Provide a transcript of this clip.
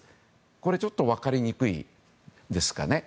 ちょっと分かりにくいですかね。